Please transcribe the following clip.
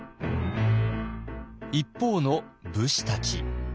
一方の武士たち。